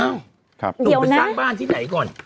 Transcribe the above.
หนุ่มไปสร้างบ้านที่ไหนก่อน